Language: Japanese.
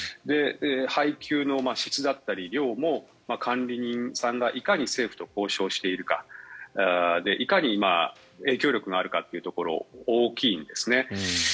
配給の質だったり量も管理人さんがいかに政府と交渉しているかいかに影響力があるかというところが大きいんですね。